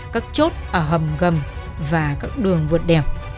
các chốt ở hầm gầm và các đường vượt đẹp